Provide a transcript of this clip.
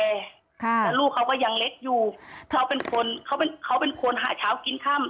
แต่ลูกเขาก็ยังเล็กอยู่เขาเป็นคนหาเช้ากินข้ำ